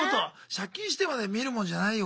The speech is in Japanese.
借金してまで見るもんじゃないよ